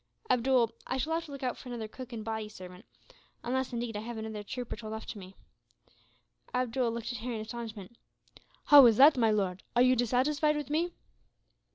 "Abdool, I shall have to look out for another cook and body servant; unless, indeed, I have another trooper told off to me." Abdool looked at Harry in astonishment. "How is that, my lord? Are you dissatisfied with me?"